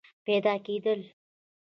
پیدا کېدل